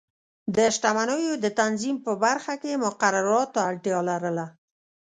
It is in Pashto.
د شتمنیو د تنظیم په برخه کې مقرراتو ته اړتیا لرله.